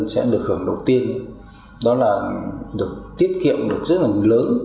sẽ được hưởng đầu tiên đó là được tiết kiệm được rất là lớn